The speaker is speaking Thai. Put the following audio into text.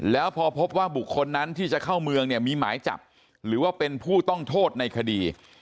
แล้วพอพบว่าบุคคลนั้นที่จะเข้าเมืองเนี่ยมีหมายจับหรือว่าเป็นผู้ต้องโทษในคดี